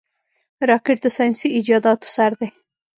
راکټ د ساینسي ایجاداتو سر دی